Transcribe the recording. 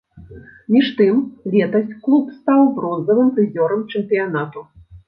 Між тым летась клуб стаў бронзавым прызёрам чэмпіянату.